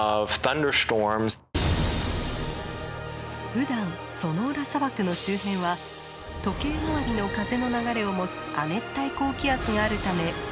ふだんソノーラ砂漠の周辺は時計回りの風の流れを持つ亜熱帯高気圧があるため乾燥しています。